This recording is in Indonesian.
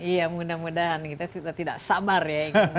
iya mudah mudahan kita sudah tidak sabar ya